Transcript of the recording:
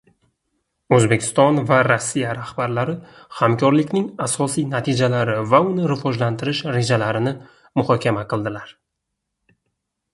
O‘zbekiston va Rossiya rahbarlari hamkorlikning asosiy natijalari va uni rivojlantirish rejalarini muhokama qildilar